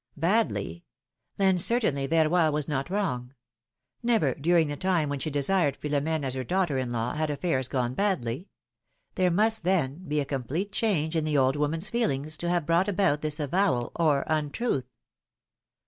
Badly ! Then, certainly, Verroy was not wrong. Never during the time when she desired Philomene as her daughter in law, had affairs gone badly ; there must, then, be a complete change in the old woman's feelings, to have brought about this avowal or untruth.